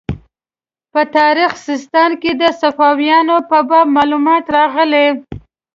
په تاریخ سیستان کې د صفاریانو په باب معلومات راغلي.